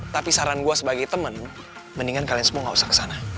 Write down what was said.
tapi saran gue sebagai temen mendingan kalian semua gak usah kesana